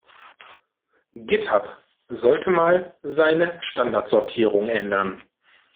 Github sollte mal seine Standardsortierung ändern.